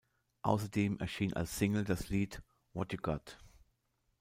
Außerdem erschien als Single das Lied "What You Got".